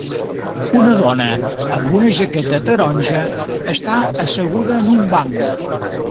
Una dona amb una jaqueta taronja està asseguda en un banc